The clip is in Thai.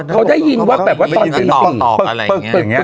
เขาได้ยินว่าแบบว่าตอนที่สิ่ง